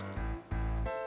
itu semua dari allah